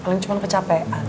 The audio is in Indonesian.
kalian cuma kecapean